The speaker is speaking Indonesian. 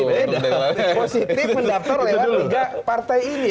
berbeda positif mendaftar lewat tiga partai ini